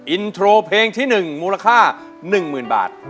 อินโทรเพลงที่หนึ่งมูลค่า๑หมื่นบาท